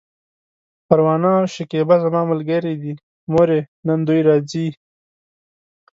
پروانه او شکيبه زما ملګرې دي، مورې! نن دوی راځي!